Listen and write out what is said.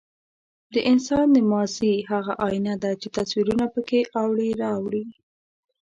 د انسان د ماضي هغه ایینه ده، چې تصویرونه پکې اوړي را اوړي.